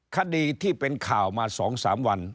คดีที่เป็นข่าวมา๒๓วัน